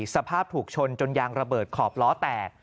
สภาพถูกชนจนยางระเบิดขอบล้อแตก